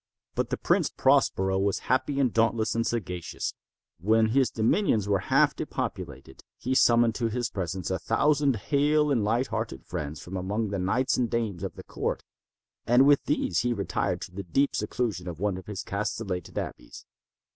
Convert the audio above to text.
But the Prince Prospero was happy and dauntless and sagacious. When his dominions were half depopulated, he summoned to his presence a thousand hale and light hearted friends from among the knights and dames of his court, and with these retired to the deep seclusion of one of his castellated abbeys.